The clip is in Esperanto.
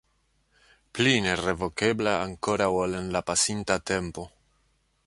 Pli nerevokebla ankoraŭ ol en la pasinta tempo.